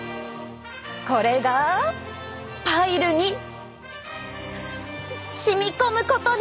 これがパイルにしみこむことで。